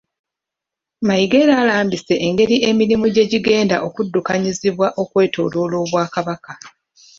Mayiga era alambise engeri emirimu gyegigenda okuddukanyizibwamu okwetooloola Obwakabaka.